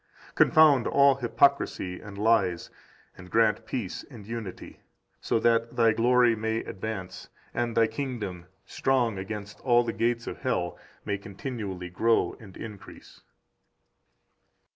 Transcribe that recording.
Confound all hypocrisy and lies, and grant peace and unity, so that Thy glory may advance, and Thy kingdom, strong against all the gates of hell, may continually grow and increase.